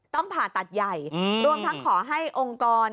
ผ่าตัดใหญ่รวมทั้งขอให้องค์กร